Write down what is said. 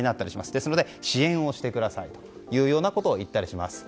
ですので支援をしてくださいというようなことを言ったりします。